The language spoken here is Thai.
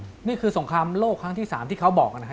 นี่คือสงครามโลกครั้งที่๓ที่เขาบอกนะครับ